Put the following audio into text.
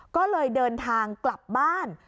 ก็เลยเดินทางกลับบ้าน